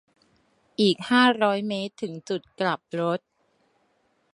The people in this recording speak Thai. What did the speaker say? อีก ห้าร้อยเมตร ถึงจุดกลับรถ